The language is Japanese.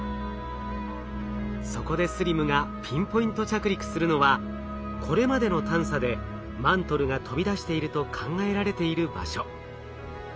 そこでＳＬＩＭがピンポイント着陸するのはこれまでの探査でマントルが飛び出していると考えられている場所。